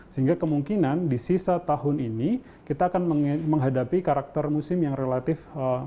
sehingga kemungkinan di sisa tahun ini kita akan menghadapi karakter musim yang relatif seperti biasa begitu ya